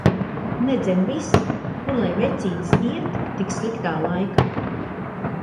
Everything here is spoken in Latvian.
Nedzen vis! Kur lai vecītis iet tik sliktā laika.